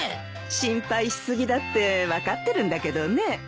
心配し過ぎだって分かってるんだけどね。